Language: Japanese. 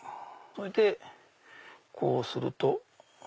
それでこうすると。